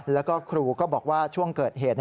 แล้วก็ครูก็บอกว่าช่วงเกิดเหตุ